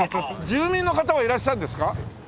住民の方はいらっしゃるんですか？